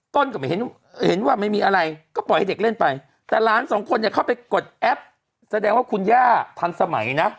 ก็ไม่เห็นเห็นว่าไม่มีอะไรก็ปล่อยให้เด็กเล่นไปแต่หลานสองคนเนี่ยเข้าไปกดแอปแสดงว่าคุณย่าทันสมัยนะ